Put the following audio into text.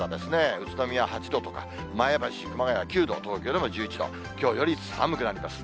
宇都宮８度とか、前橋、熊谷９度、東京でも１１度、きょうより寒くなります。